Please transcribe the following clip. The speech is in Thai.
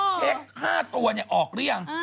เช็ค๕ตัวออกหรือยัง